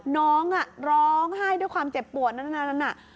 น้องร้องไห้ด้วยความเจ็บปวดนั่นน่ะ